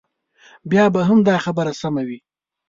بیا به هم دا خبره سمه وي.